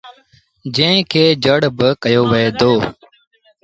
جݩهݩ کي جڙ با ڪهيو وهي دو۔